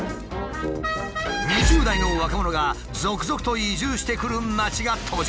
２０代の若者が続々と移住してくる町が登場。